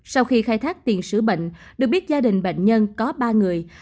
sau khi khai thác tiền sử bệnh được biết gia đình bệnh nhân có ba người